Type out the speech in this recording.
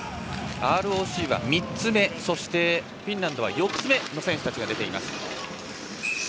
ＲＯＣは３つ目そしてフィンランドは４つ目の選手たちが出ています。